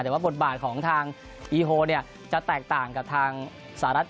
แต่ว่าบทบาทของทางอีโฮจะแตกต่างกับทางสหรัฐ